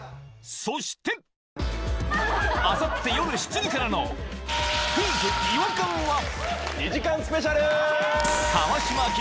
そして明後日夜７時からの「クイズ！違和感」は２時間スペシャルー！